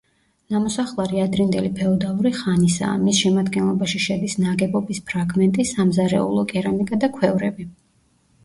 ნამოსახლარი ადრინდელი ფეოდალური ხანისაა, მის შემადგენლობაში შედის ნაგებობის ფრაგმენტი, სამზარეულო კერამიკა და ქვევრები.